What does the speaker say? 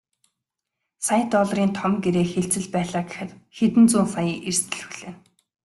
Сая долларын том гэрээ хэлцэл байлаа гэхэд хэдэн зуун саяын эрсдэл хүлээнэ.